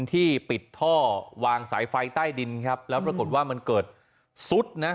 ที่ปิดท่อวางสายไฟใต้ดินครับแล้วปรากฏว่ามันเกิดซุดนะ